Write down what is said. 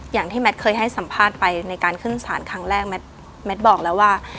อย่างที่แมทเคยให้สัมภาษณ์ไปในการขึ้นสารครั้งแรกแมทแมทบอกแล้วว่า